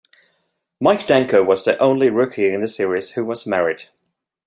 Mike Danko was the only rookie in the series who was married.